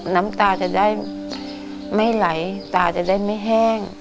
น้ำตาจะได้ไม่ไหลตาจะได้ไม่แห้ง